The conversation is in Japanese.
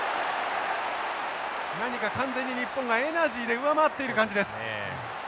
何か完全に日本がエナジーで上回っている感じです。